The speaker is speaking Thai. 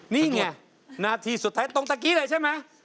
นี่ไงนาทีสุดท้ายตรงตะกี้เลยใช่ไหม